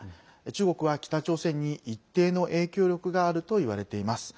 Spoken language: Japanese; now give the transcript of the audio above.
中国は北朝鮮に一定の影響力があるといわれています。